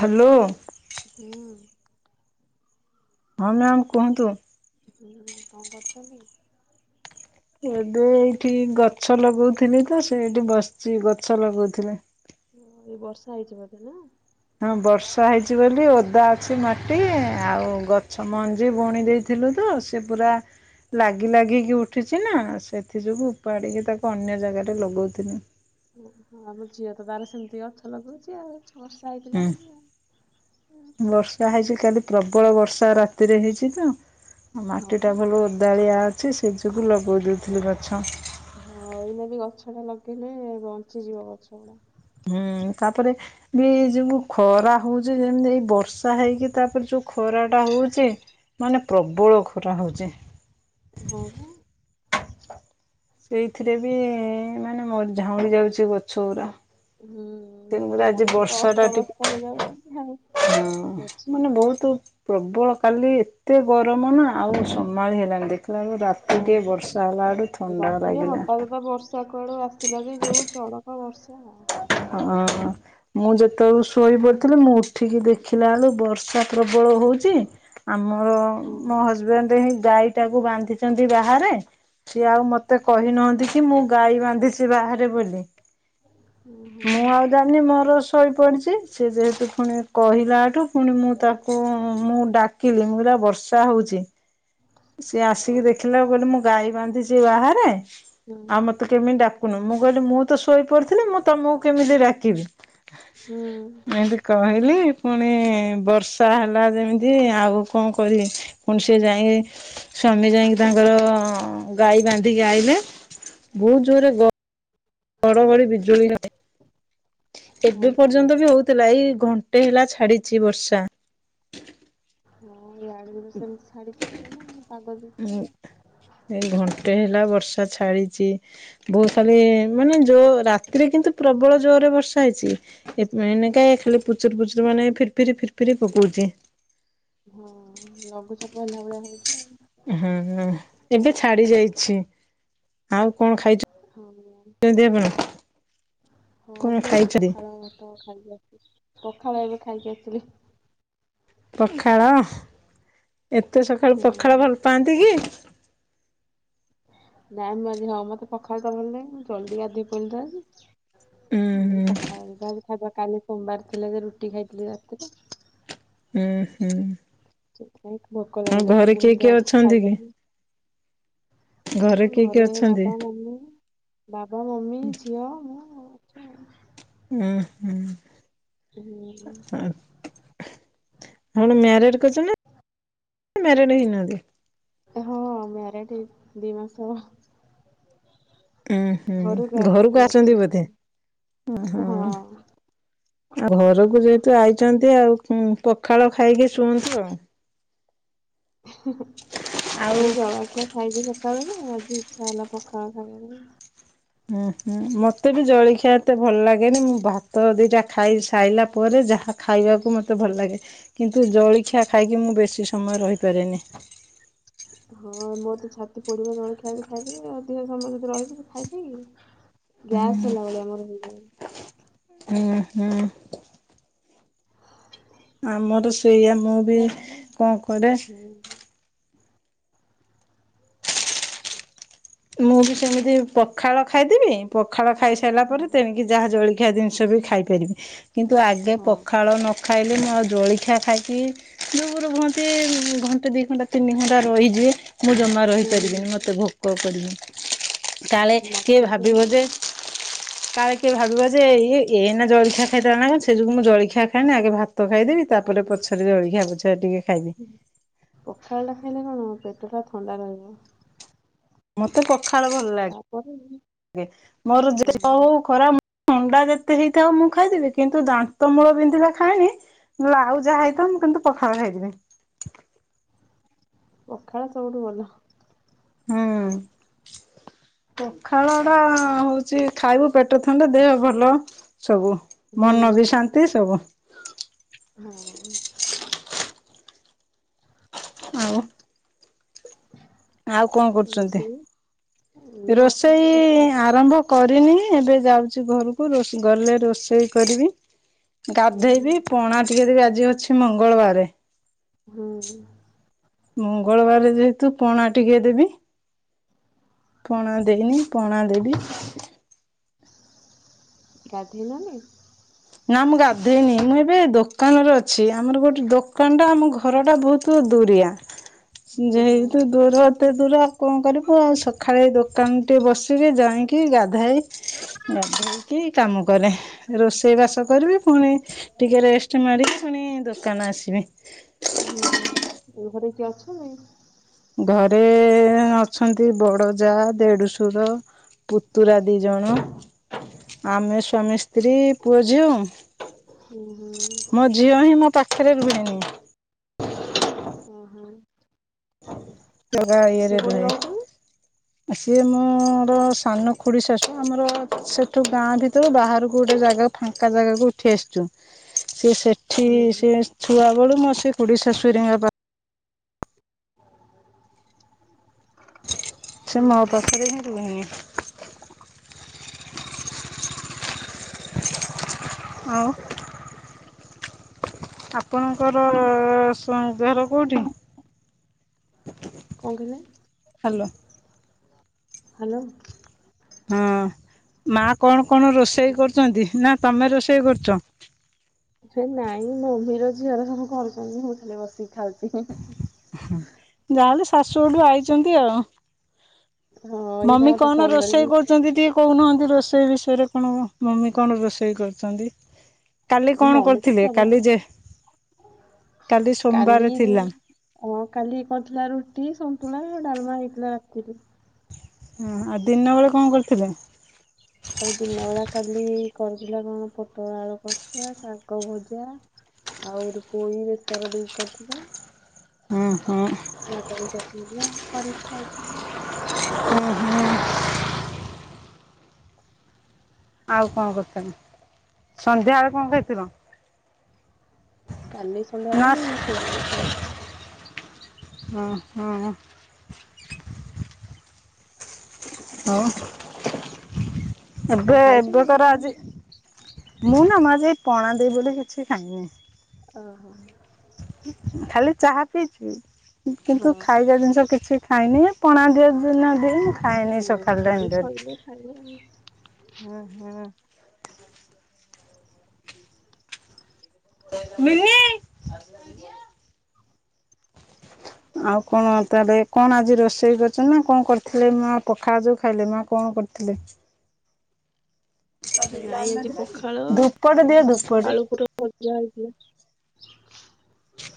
Hello ହୁଁ ହଁ ma'am କୁହନ୍ତୁ। ହୁଁ କଣ କରୁଛନ୍ତି? ଏବେ ଏଇଠି ଗଛ ଲଗଉଥିଲି ତ ସେଇଠି ବସିଛି ଗଛ ଲଗଉଥିଲେ। ହଁ ଏ ବର୍ଷା ହେଇଛି ବୋଧେ ନା? ହଁ ବର୍ଷା ହେଇଛି ବୋଲି ଓଦା ଅଛି ମାଟି ଆଉ ଗଛ ମଞ୍ଜି ବୁଣି ଦେଇଛି। ଥିଲୁତ ସେ ପୁରା ଲାଗି ଲାଗିକି ଉଠିଛି ନା ସେଥିଯୋଗୁଁ ଉପାଡ଼ିକି ତାକୁ ଅନ୍ୟ ଜାଗାରେ ଲଗଉଥିଲି। ଓହୋ ଆମ ଝିଅ ତ ତାର ସେମିତି ଗଛ ଲଗଉଛି ଆଉ ବର୍ଷା ହେଇଥିଲା ହୁଁ ବୋଲି। ବର୍ଷା ହେଇଛି କାଲି ପ୍ରବଳ ବର୍ଷା ରାତିରେ ହେଇଛି ତ। ହଁ ମାଟିଟା ପା ଭଲ ଓଦାଳିଆ ଅଛି ସେ ଯୋଗୁଁ ଲଗେଇ ଦେଉଥିଲି ଗଛ। ହଁ ଏଇଲେ ବି ଗଛ ଟା ଲଗେଇଲେ ବଞ୍ଚିଯିବ ଗଛ ଗୁଡା ହୁଁ ତାପରେ ବି ଏଇ ଯୋଉୁ ଖରା ହଉଛି ଯେମିତି ଏଇ ବର୍ଷା ହେଇକି ତାପରେ ଯୋଉ ଖରା ଟା ହଉଛି ମାନେ ପ୍ରବଳ ଖରା ହୋଉଛି। ହଁ ହଁ। ସେଇଥିରେ ବି ମାନେ ମୋ ଝାଉଁଡି ଯାଉଛି ଗଛ ଗୁୁରା। ହୁଁ ମଣିଷ ତ ଟା ଅସ୍ତବସ୍ତ ଟିକେ ହେଇଯାଉଛନ୍ତି। ହଁ ଗଛ ମାନେ ବହୁତ ପ୍ରବଳ କାଲି ଏତେ ଗରମ ନା ଆଉ ସମ୍ଭାଳି ହେଲାଣି ଦେଖ ହେ ହଁ ରାତି ଟିଏ ପା। ବର୍ଷା ହେଲା ବଳୁ ଥଣ୍ଡା ରାତିରେ ଲାଗିଲା। ହଠାତ୍ ବର୍ଷା କୁଆଡୁ ଆସିଲା ଯେ ଯୋଉ ଚଡକ ବର୍ଷା ହଁ ମୁଁ ଯେତେବେଳଳେ ଶୋଇପଡିଥିଲି ମୁଁ ଉଠିକି ଦେଖିଲା ବେଳୁ ବର୍ଷା ପ୍ରବଳ ହଉଛି ଆମର ହୁଁ ମୋ ହଜବେଣ୍ଡ ହିଁ ଗାଈ ତାକୁ ବାନ୍ଧିଛନ୍ତି ବାହାରେ ସିଏ ଆଉ ମତେ କହିନାହାନ୍ତି କି ମୁଁ ଗାଈ ବାନ୍ଧିଛି ବାହାରେ ବୋଲି। ଓହୋ ମୁଁ ଆଉ ଜାଣିନି ମୋର ଶୋଇପଡିଛି ସେ ଯେହେତୁ ପୁଣି କହିଲାଠୁ। ପୁଣି ମୁଁ ତାକୁ ମୁଁ ଡାକିଲି ମୁଁ ପରା ବର୍ଷା ହଉଛି। ସିଏ ଆସିକି ଦେଖିଲା ମୁଁ କହିଲି ଗାଈ ବାନ୍ଧିଛି ବାହାରେ ଆଉ ମତେ କେମିତି ଡାକୁନୁ ମୁଁ କହିଲି ମୁଁ ଶୋଇ ପଡିଥିଲି ମୁଁ ତମକୁ କେମିତି ଡାକିବି। ହୁଁ ହୁଁ କହିଲି ପୁଣି ବର୍ଷା ହେଲା ଯେମିତି ଆଉ କଣ କରିବି। ପୁଣି ସେ ଯାଏ। ସ୍ୱାମୀ ଯାଇକି ତାଙ୍କର ଗାଈ ବାନ୍ଧିକି ଆଇଲେ ବହୁତ ଜୋରରେ ଗ ଘଡ଼ ଘଡ଼ି ବିଜୁଳି ନଈ ହଁ ଏବେ ପା ପର୍ଯ୍ୟନ୍ତ ବି ହଉଥିଲା ଏଇ ଘଣ୍ଟେ ହେଲା ଛାଡିଛି ବର୍ଷା। ହଁ ଇଆଡେ ସେମିତି ଛାଡିଛି ଟିକେନା ପାଗ ଦେଇଛି। ଏଇ ଘଣ୍ଟେ ହେଲା ବର୍ଷା ଛାଡିଛି। ବହୁତ ଖାଲି ମାନେ ଜୋ ରାତିରେ କିନ୍ତୁ ପ୍ରବଳ ଜୋର ରେ ବର୍ଷା ହେଇଛି। ହେଇଥିପାଇଁ ଏନେକ ଖାଲି ପୁଚୁରୁ ପୁଚୁରୁ ମାନେ ଫିର୍ ଫିର୍ ପକଉଛି। ହଁ ଲଘୁଚାପ ହେଲା ଭଳିଆ ହଉଛି ଆଉ। ହୁଁ ହୁଁ ଏବେ ଛାଡି ଯାଇଛି। ଆଉ କଣ ହଁ ଖାଇଛନ୍ତି ଛନ୍ତି ଆପଣ କଣ ଖାଇଛନ୍ତି? ତ ଖାଇକି ଆସି ପଖାଳ ଏବେ ଖାଇକି ଆସିଲି। ପଖାଳ ଏତେ ସକାଳୁ ହୁଁ। ପଖାଳ ଭଲ ପାଆନ୍ତି କି? ନାଇଁ ମୁଁ ଆଜି ହଁ ମତେ ପଖାଳ ଭଲ ଲାଗେ ଜଲଦି ଗାଧୋଇ ପଇଲି ତ ଆଜି। ଉଁ ମୋର ପଖାଳ ଯାହା ଖାଇବା କାଲି ସୋମବାର ଥିଲା ଯେ ରୁଟି ଖାଇଥିଲି ରାତିରେ। ହୁଁ ହୁଁ। ସେଥିପାଇଁ ଭୋକ ଆଉ ଲାଗିଲା ତ ଘରେ ମୁଁ କିଏ କିଏ ଯାହା କିଛି ଅଛନ୍ତି କି? ଖାଇବି। କିଏ ହଁ କିଏ ଘରେ ଅଛନ୍ତି? ବାବା ମମି ବାବା ମମି ଝିଅ ମୁଁ। ଅଛି ଆଉ। ହୁଁ ହୁଁ। ହୁଁ [unintelligible] ଆପଣ ମ୍ୟାରେଡ କରିଛନ୍ତି ନା ମ୍ୟାରେଡ ହେଇନାହାନ୍ତି? ହଁ ମ୍ୟାରେଡ ହେଇଛି ଦିମାସ। ଉୁଁ ଘରକୁ ହୁଁ ଆସିଛି ଘରକୁ ଅଛି ଆସନ୍ତି ବୋଧେ ଘରେ ଉ ହଁ। ଆଉ ହୁଁ ଘରକୁ ଯେହେତୁ ଆଇଛନ୍ତି ଆଉ। ହୁଁ ପଖାଳ ଖାଇକି ଶୁଅନ୍ତୁ ଆଉ। ଏଇ ଆଉ ଜଳଖିଆ ଖାଇଚି ସକାଳେ ଯେ ଆଜି ଇଚ୍ଛା ହେଲା ପଖାଳ ଖାଇବାକୁ। ହୁଁ ହୁଁ ମତେ ବି ଜଳଖିଆ ଏତେ ଭଲ ଲାଗେନି ମୁଁ ଭାତ ଦିଟା ଖାଇ ସାଇଲା ପରେ ଯାହା ଖାଇବାକୁ ମୋତେ ଭଲ ଲାଗେ କିନ୍ତୁ ଜଳଖିଆ ଖାଇକି ମୁଁ ବେଶୀ ସମୟ ରହିପାରେନି। ହଁ ମୋର ତ ଛାତି ପୋଡ଼ିବ ଜଳଖିଆ ଜଦି ଖାଇଦେବି ଅଧିକା ସମୟ ଯଦି ରହିଯିବି ଖାଇପିକିରି। ଗ୍ୟାସ୍ ହେଲା ଭଳିଆ ମୋର ହେଇଯାଏ। ହୁଁ ହୁଁ। ଆମର ସେଇଆ ମୁଁ ବି କଣ କରିବା। ଉଁ ହୁଁ। ମୁଁ ବି ସେମିତି ପଖାଳ ଖାଇଦେବି ପଖାଳ ଖାଇସାରିଲା ପରେ ତେଣିକି ଯାହା ଜଳଖିଆ ଜିନିଷ ବି ଖାଇପାରିବି କିନ୍ତୁ ଆଗେ ହଁ ପଖାଳ ନଖା ଖାଇଲେ ମୁଁ ଆଉ ଜଳଖିଆ ଖାଇକି ଘଣ୍ଟେ ଦି ଘଣ୍ଟା ତିନି ଘଣ୍ଟା ରହିଯିବେ ମୁଁ ଜମା ହୁଁ ରହିପାରିବିନି ମତେ ହୁଁ ଭୋକ କରିବି। କାଳେ କିଏ ମତେ ଭାବିବ ଯେ ସେଇଆ। କାଳେ କିଏ ଭାବିବ ଯେ ଇଏ ଏଇନା ଜଳଖିଆ ଖାଇଥିଲା ନା କଣ ସେ ଯୋଗୁଁ ମୁଁ ଜଳଖିଆ ଖାଏଇନା ଆଗେ ଭାତ ଭାତ ଖାଇଦେବି ତାପରେ ପଛରେ ଜଳଖିଆ ପଛେକା ଟିକେ ଖାଇବି। ପଖାଳ ଟା ଖାଇଲେ କଣ ହେବ ପେଟ ଟା ଥଣ୍ଡା ରହିବ। ମତେ ପଖାଳ ଭଲ ତାପରେ ଲାଗେ ମୋର ଜୋଉଟା ହଁ। ହୋଉ। ଖରାପ ଥଣ୍ଡା ଯେତେ ହେଇଥାଉ ମୁଁ ଖାଇଦେବି କିନ୍ତୁ ଦାନ୍ତ ମୂଳ ବିନ୍ଧିଲେ ଖାାଏଇନି। ଆଉ ଯାହା ହେଇଥାଉ ମୁଁ କିନ୍ତୁ ପଖାଲ ଖାଇଥିମି। ପଖାଳ ସବୁଠୁ ଭଲ। ହୁଁ। ପଖାଳ ଟା ହଉଛି ଖାଇବୁ ପେଟ ଥଣ୍ଡେ ଦେହ ଭଲ ସବୁ ମନ ବି ଶାନ୍ତି ସବୁ ହଉ। ଆଉ। ଆଉ କଣ କରୁଛନ୍ତି ରୋଷେଇ ଏଇ ବସିଛି ରୋଷେଇ ସକାଳୁ ଆରମ୍ଭ କରିନି ଏବେ ଯାଉଛି ଘରକୁ ରୋଷ ଗଲେ ରୋଷେଇ କରିବି। ହୁଁ ହୁଁ ଗାଧେଇବି ପଣା ଟିକେ ଦେବୀ ଆଜି ଅଛି ମଙ୍ଗଳବାରେ। ହୁଁ। ମଙ୍ଗଳବାର ଯେହେତୁ ପଣା ଟିକେ ଦେବି। ପଣା ଦେଇନି ପଣା ଦେବି। ଗାଧେଇ ନ ନି? ନା ମୁଁ ଗାଧୋଇନି ମୁଁ ଏବେ ଦୋକାନରେ ଅଛି ଆମର ଗୋଟେ ଦୋକାନ ଟା ଆମର ଘର ଟା ବହୁତ ଦୁରିଆ। ହଁ ଯେହତୁ ଦୂର ଏତେ ଦୂର ଆଉ କଣ କରିବୁ ଆଉ ସକାଳେ ଦୋକାନ ଟିକେ ବସିକି ଯାଇଁ କି ଗାଧୋଇ ଗାଧୋଇକି କାମ କରେ ରୋଷେଇ ବାସ ଚା କରିବି ପୁଣି ଟିକେ ରେଷ୍ଟ ମାରିକି ପୁଣି ଦୋକାନ ଆସିମି। ହୁଁ ଏ ଘରେ କିଏ ଅଛନ୍ତି। ଘରେ ଅଛନ୍ତି ବଡ ଯା ଦେଢଶୁର। ପୁତୁରା ଦି ଜଣ। ଆମେ ସ୍ୱାମୀ ସ୍ତ୍ରୀ ପୁଅଝିଅ। ହୁଁ ହୁଁ। ସେରା ବି ହୁଏ ନି। ଓହୋ। ତରା ଆଇ ସିଏ ଘରେ କୋଉଠି ରୁହେ ରହୁଛନ୍ତି ସିଏ ମୋର ସାନ ଖୁଡି ଶାଶୁ। ଆମର ସେଠୁ ଗାଁ ଭିତରୁ ବାହାରକୁ ଗୋଟେ ଜାଗା ଫାଙ୍କା ଜାଗା କୁ ଉଠି ଆସିଛୁ। ସିଏ ସେଠି ହୁଁ ସେ ଛୁଆ ବେଳୁ ମୋ ସେ ଖୁଡିଶାଶୁ ହେରିକା ଙ୍କ ପାଖ ସେ ଉଁ ମୋ ହୁଁ। ପାଖରେ ହିଁ ରୁହେନି। [inaudible] ହଉ। ଆପଣଙ୍କର ସୁନ୍ଦ ଘର କୋଉଠି? କଣ କହିଲେ? Hello hello. ହଁ ମା କଣ କଣ ରୋଷେଇ କରୁଛନ୍ତି? ନା ତମେ ରୋଷେଇ କରୁଛ। ନାଇଁ ମମିର ଝିଅର ସବୁ କରୁଛନ୍ତି। ମୁଁ ଖାଲି ବସିକି ଖାଉଛି। ଯାହାହେଲେ ଶାଶୁ ଘଠୁ ଆଇଛନ୍ତି ଆଉ। ହଁ ଏଇ ପା ମମି ମତେ କଣ ଫୋନ ରୋଷେଇ କରିକି କର୍ କରଛନ୍ତି ଟିକେ କହୁନାହାନ୍ତି ରୋଷେଇ ବିଷୟରେ। କଣ ମମି କଣ ରୋଷେଇ କରୁଛନ୍ତି? କାଲି କଣ ମମି ତ କରିଥିଲେ। ସବୁ କାଲି ଯେ କାଲି ସୋମବାର କାଲି ଥିଲା। ହଁ କାଲି କରିଥିଲା ରୁଟି ସନ୍ତୁଳା ଡାଲମା ହେଇଥିଲା ରାତିରେ। ହଁ ଆଉ ଦିନବେଳେ କଣ କରିଥିଲେ? [inaudible] ଆଉ ଦିନ ବେଳା କାଲି କରିଥିଲା କଣ ପୋଟଳ ଆଳୁ କସା ଶାଗ ଭଜା। ଆହୁରି ପୋଇ ବେସର ଦେଇ କରିଥିଲି। ଓଁ ହୋ। ବାଦାମ ଚଟଣି ଧୁମ କରିକି ଖାଉଥିଲି। ଉଁ ହୁଁ। [inaudible] ଆଉ କଣ କରିଚନ୍ତି? ସନ୍ଧ୍ୟାବେଳେ କଣ ଖାଇଥିଲ? କାଲି ନା ସନ୍ଧ୍ୟାବେଳେ ମୁଁ ସିମେଇ ଖାଇଥିଲି। ହଁ ହଁ। ହଁ କଣ ଏବେ ଖାଇଛୁ ନା ଏବେ କିଛି କର ଖାଇନୁ? ଆଜି। ମୁଁ ନା ମୁଁ ଆଜି ଏଇ ପଣା ଦେବି ବୋଲି କିଛି ଖାଇଁନି। ଓହୋ। ଖାଲି ଚାହା ପିଇଛି। ହଁ କିନ୍ତୁ ଖାଇବା ଜିନିଷ କିଛି ଖାଇନି। ପଣା ଦିଅ ଦିନ ଦିଏ ମୁ ଖାଇନି ଏ ହୁଁ ସଖାଳ ପୂଜା ଟାଇମ ଟାରେ। ସରିଲେ ଖାଇବା ଆଉ। ହୁଁ ହୁଁ। ମିିଲି। [inaudible] ଆଉ କଣ ତାହେଲେ କଣ ଆଜି ରୋଷେଇ କରିଛନ୍ତି ନା କଣ କରିଥିଲେ ମାଁ ପଖାଳ ଯୋଉ ଖାଇଲେ। ମାଁ କଣ କର ଥିଲେ। ନାଇଁ ଆଜି ପଖାଳ ଧୁପଟେ ଦିଅ ଧୁପଟେ। ଆଳୁ ପୁର ଭଜା ହେଇଥିଲା।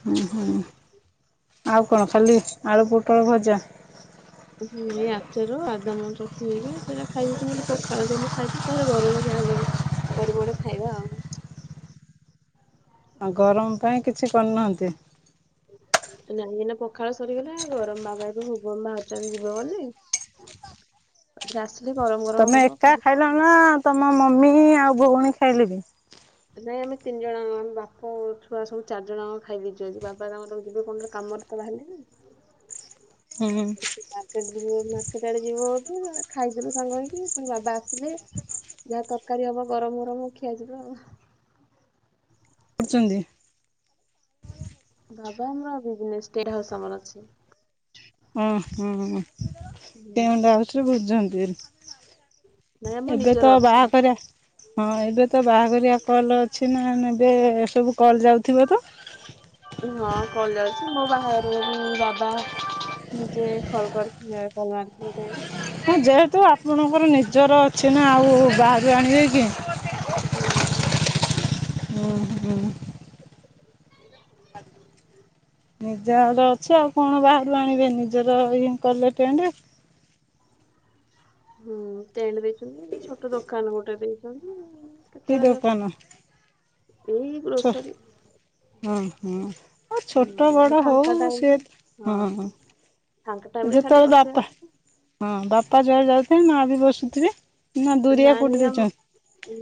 ହୁଁ ହୁଁ ଆଉ କଣ ଖାଲି ଆଳୁ ପୋଟଳ ଭଜା। ହୁଁ ଏ ଆଚାର ଆଦାମ ଚଟନି ହେରିକା ହେରା ଖାଇଦେଇଛି। ମୁଁ କହିଲି ପଖାଳ ଦେ ମୁଁ ଖାଇଛି। ପରେ ଗରମ ଯାହା ହେଲେ ବି କରିବଣି ଖାଇବା ଆଉ। ଆଉ ଗରମ ପାଇଁ କିଛି କରିନାହାନ୍ତି। ନାଇଁ ମାନେ ପଖାଳ ସରିଗଲା। ଗରମ ବାବା ଏବେ ଭୁବନ ବାହାରୁଛନ୍ତି ଯିବେ ବୋଲି। ତାପରେ ଆସିଲେ ଗରମ ଗରମ ତମେ ହବ ଏକା ଖାଇବୁ। ଖାଇଲ ନା ତମ ମମି ଆଉ ଭଉଣୀ ଖାଇଲେଣି। ନାଇଁ ଆମେ ତିନି ଜଣ ବାପ ଛୁଆ ସବୁ ଚାରି ଜଣଯାକ ଖାଇଦେଇଛନ୍ତି ଆଜି। ବାପା ତାଙ୍କର ଯିବେ କଣ ଗୋଟେ କାମରେ। ବାପା ବାହାରିଲେଣି। ହୁଁ। ସେ ମାର୍କେଟ ଯିବ ବୋଲି ମାର୍କେଟ ଆଡେ ଯିବ ବୋଧେ ଖାଇଦେଲୁ ସାଙ୍ଗହେଇକି। ପୁଣି ବାବା ଆସିଲେ। ଯାହା ତରକାରୀ ହବ ଗରମ ଗରମ ଖିଆଯିବ ଆଉ। କରୁଛନ୍ତି। ବାବା ଆମର ବିଜନେସଟା ଅଛି। ଓ ହ ହୁଁ କେଉଁମଟ ଆଉଥ ବୁଝଛନ୍ତି ନାଇଁ ଆମ [unintelligible] ଏବେ ନିଜର ତ ଅଛି। ବାହା କରିବା ହଁ ଏବେ ତ ବାହାଘରଆ କଲ ଅଛି ନା ଏବେ ଏ ସବୁ କଲ୍ ଯାଉଥିବ ତ। ହଁ କଲେ ଅଛି ମୋ ବାହାରେ ବାବା [inaudible] ନିଜେ ଖଲ କରି [inaudible] ହଁ ଯେହେତୁ ଆପଣଙ୍କର ନିଜର ଅଛି ନା ଆଉ ବାହାରୁ ଆଣିବେ କି? ହୁଁ-ଉ। ଓଃ ହୋ। [unintelligible] ନିଜ ଘର ଅଛୁ ଆଉ କଣ ବାହାରୁ ଆଣିବେ ନିଜର ଇଁ କଲେ ଟେଣ୍ଡ ହୁଁ ଟେଣ୍ଡ ଦେଇଛନ୍ତି ଏମିତି ଛୋଟ ଦୋକାନ ଗୋଟେ ଦେଇଛନ୍ତି-ଇ। କି କେତେବେଳେ-ଏକ ଏଇ ଛ ଗ୍ରୋସରୀ ହୁଁ ହୁଁ। ଅ ଛୋଟ ହୁଁ ବଡ ଫାଙ୍କା ହଉ ସିଏ ଟାଇମ ହଁ ଫାଙ୍କା ଟାଇମ ରେ ଖାଲି ଯେତେବେଳେ ବସିବା ବାପା ହଁ ବାପା ଯୁଆଡେ ଯାଉଥିବେ ମାଆ ବି ବସୁଥିବେ। ନା ଦୁରିଆ ନାଇଁ ନାଇଁ କୋଉଠି ଆମ ଦେଇଛନ୍ତି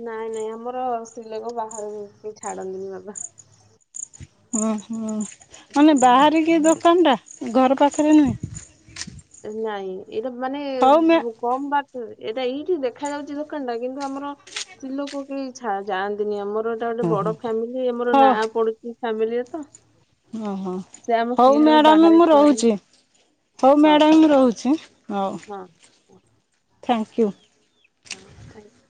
ନାଇଁ ନାଇଁ ଆମର ସ୍ତ୍ରୀଲୋକ ବାହାରକୁ ଛାଡନ୍ତିନି ବାବା ଅଁହୋ ମାନେ ହୁଁ। ବାହାରିକି ଦୋକାନ ଟା ଘର ପାଖରେ ନୁହେଁ। ନାଇଁ ଏଇଟା ମାନେ ହଉ ମ୍ୟା କମ୍ ବାଟୁ ଏଇଟା ଏଇଠୁ ଦେଖ ଦେଖା ଯାଉଛି ଦୋକାନ ଟା କିନ୍ତୁ ଆମର ସ୍ତ୍ରୀ ଲୋକ କେହି ଛାଁ ଯାଆନ୍ତିନି ଆମର ଏଟା ଗୋଟେ ହଁ ହଁ ବଡ ଫ୍ୟାମିଲି ଆମର ନାଁ ପଡୁଛି ଫ୍ୟାମିଲିରେ ତ ଓହୋ ସେ ଆମ ହଉ ସ୍ତ୍ରୀ ଲୋକ ମ୍ୟାଡାମ ବାହାରେ ମୁଁ ଠିଆ ହେଲେ ରହୁଛି। ହଉ ମ୍ୟାଡ଼ାମ ରହୁଛି ହଉ ହଁ ଥ୍ୟାଙ୍କୟୁ। ହଁ ଥ୍ୟାଙ୍କ।